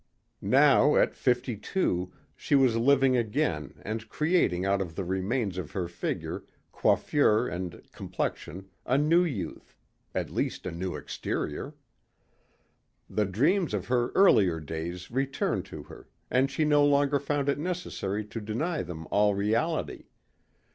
Now at fifty two she was living again and creating out of the remains of her figure, coiffure and complexion a new youth at least a new exterior. The dreams of her earlier days returned to her and she no longer found it necessary to deny them all reality.